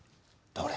どれ？